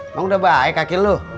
mau udah baik kakek lo